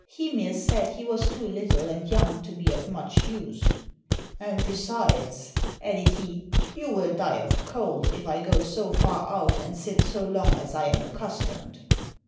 Hymir said he was too little and young to be of much use. "And besides," added he, "you will die of cold, if I go so far out and sit so long as I am accustomed."